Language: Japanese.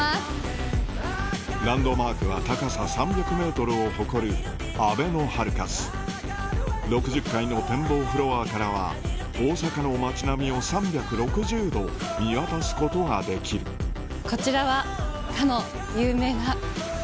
ランドマークは高さ３００ｍを誇るあべのハルカス６０階の展望フロアからは大阪の街並みを３６０度見渡すことができるこちらは。